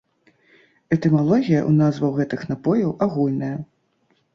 Этымалогія ў назваў гэтых напояў агульная.